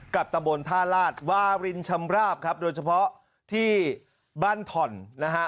ตะบนท่าลาศวารินชำราบครับโดยเฉพาะที่บ้านถ่อนนะฮะ